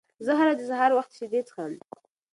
زه هره ورځ د سهار وخت شیدې څښم.